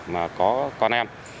mà có con em